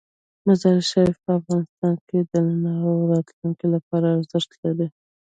مزارشریف په افغانستان کې د نن او راتلونکي لپاره ارزښت لري.